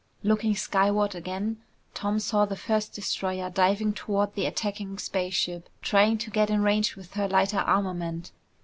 Looking skyward again, Tom saw the first destroyer diving toward the attacking spaceship, trying to get in range with her lighter armament.